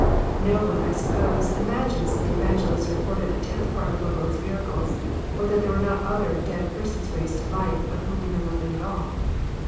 No one, I suppose, imagines that the Evangelists record a tenth part of our Lord's miracles, or that there were not other dead persons raised to life, of whom we know nothing at all.